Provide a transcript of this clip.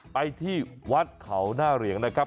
ไปที่วัดเขาหน้าเหรียงนะครับ